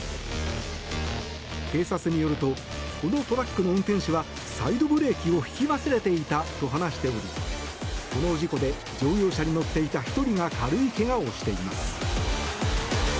警察によるとこのトラックの運転手はサイドブレーキを引き忘れていたと話しておりこの事故で乗用車に乗っていた１人が軽いけがをしています。